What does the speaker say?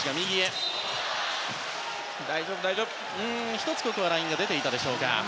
１つ、ラインを出ていたでしょうか。